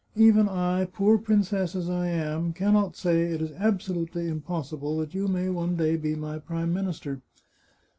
Even I, poor princess as I am, can not say it is absolutely impossible that you may one day be my Prime Minister."